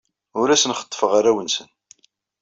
Ur asen-xeḍḍfeɣ arraw-nsen.